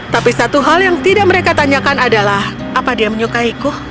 tapi satu hal yang tidak mereka tanyakan adalah apa dia menyukaiku